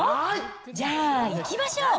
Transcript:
じゃあ、いきましょう。